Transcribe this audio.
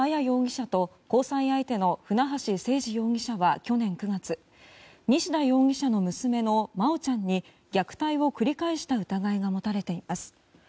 容疑者と交際相手の船橋誠二容疑者は去年９月西田容疑者の娘の真愛ちゃんに虐待を繰り返した疑いが持たれています。